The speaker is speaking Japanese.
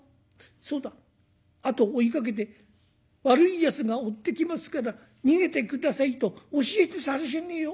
そうだ後を追いかけて悪い奴が追ってきますから逃げて下さいと教えてさしあげよう。